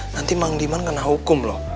nanti bang diman kena hukum loh